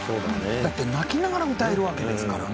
「だって泣きながら歌えるわけですからね」